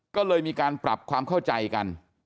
ก็เลยมีการปรับความเข้าใจกัน